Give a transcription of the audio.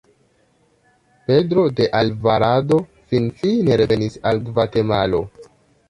Pedro de Alvarado finfine revenis al Gvatemalo.